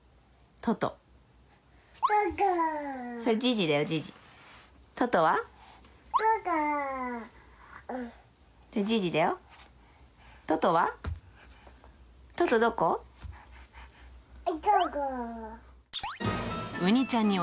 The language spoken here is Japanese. トトは？